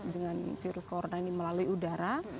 dengan virus corona ini melalui udara